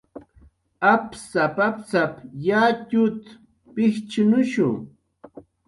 "Apsap"" apsap"" yatxut"" pijchnushu"